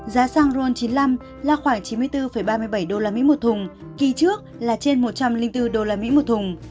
giá xăng ron chín mươi năm là khoảng chín mươi bốn ba mươi bảy usd một thùng kỳ trước là trên một trăm linh bốn usd một thùng